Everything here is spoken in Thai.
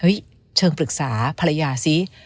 เชิงปรึกษาภรรยาซิ